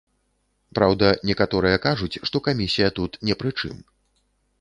Праўда, некаторыя кажуць, што камісія тут не пры чым.